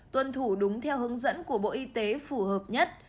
tuân thủ đúng theo hướng dẫn của bộ y tế phù hợp nhất